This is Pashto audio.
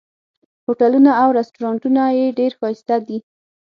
هوټلونه او رسټورانټونه یې ډېر ښایسته دي.